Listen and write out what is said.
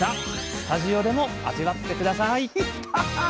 スタジオでも味わって下さい！